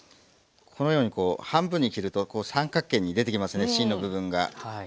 このようにこう半分に切るとこう三角形に出てきますね芯の部分が。